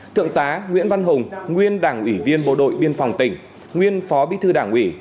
thượng tá nguyễn văn hùng nguyên đảng ủy viên bộ đội biên phòng tỉnh nguyên phó bí thư đảng ủy